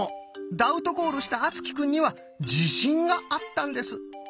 ダウトコールした敦貴くんには自信があったんです。